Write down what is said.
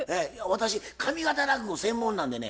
私上方落語専門なんでね